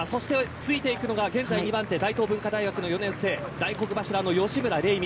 ついていくのは現在２番手大東文化大学の４年生大黒柱の吉村玲美。